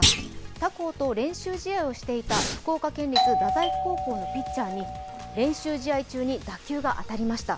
他校と練習試合をしていた福岡県立太宰府高校のピッチャーに練習試合中に打球が当たりました。